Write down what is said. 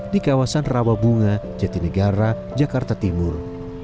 di kawasan rawabunga jatinegara jakarta timur